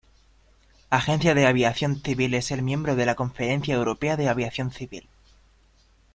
Agencia de aviación civil es el miembro de la Conferencia Europea de Aviación Civil.